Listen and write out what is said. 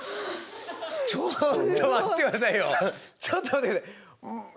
ちょっと待って下さい。